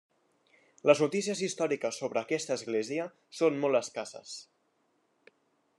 Les notícies històriques sobre aquesta església són molt escasses.